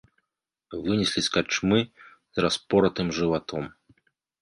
Вынеслі з карчмы з распоратым жыватом.